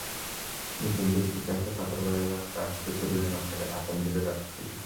বিপরীত দিক থেকে আসা পাথরবোঝাই ট্রাকটি কুড়িগ্রাম থেকে ঢাকার দিকে যাচ্ছিল।